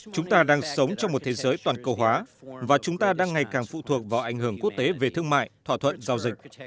chúng ta đang sống trong một thế giới toàn cầu hóa và chúng ta đang ngày càng phụ thuộc vào ảnh hưởng quốc tế về thương mại thỏa thuận giao dịch